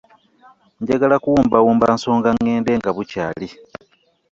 Njagala kuwumbawumba nsonga ŋŋende nga bukyali.